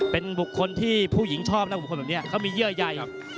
เป็นบุคคลที่ผู้หญิงชอบนะบุคคลแบบนี้เขามีเยื่อใย